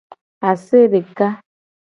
Ase deka.